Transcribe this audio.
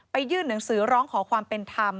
ยื่นหนังสือร้องขอความเป็นธรรม